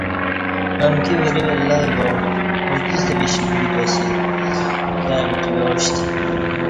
امکی وری ولئ با اوجِستہ وِشیک بُوتاسِی کائی وٹلیاشتہ